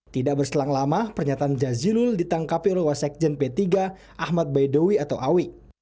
tidak berselang lama pernyataan jazirul ditangkapi oleh wasakjen p tiga ahmad baedowi atau awi